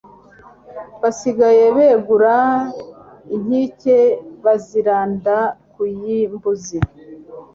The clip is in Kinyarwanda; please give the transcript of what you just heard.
Basigaye begura inkikeBaziranda ku y' imbuzi